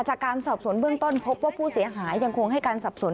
จากการสอบสวนเบื้องต้นพบว่าผู้เสียหายยังคงให้การสับสน